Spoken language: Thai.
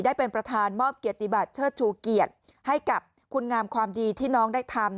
ได้เป็นประธานมอบเกียรติบัติเชิดชูเกียรติให้กับคุณงามความดีที่น้องได้ทำ